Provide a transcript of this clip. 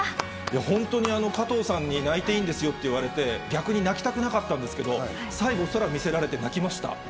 本当に加藤さんに、泣いていいんですよって言われて、逆に泣きたくなかったんですけど、最後、空を見せられて泣きました。